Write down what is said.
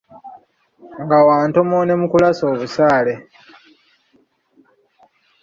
Nga wa ntomo ne mu kulasa obusaale.